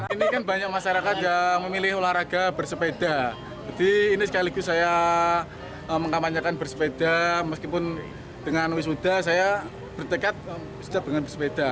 ini kan banyak masyarakat yang memilih olahraga bersepeda jadi ini sekaligus saya mengkampanyekan bersepeda meskipun dengan wisuda saya bertekad siap dengan bersepeda